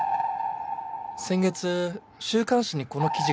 先月週刊誌にこの記事が出まして。